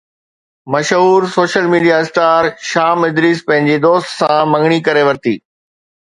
مشهور social media star Shaam Idrees پنهنجي دوست سان مڱڻي ڪري ورتي